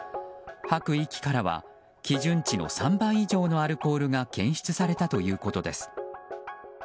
はく息からは基準値の３倍以上のアルコールが検出されたということです。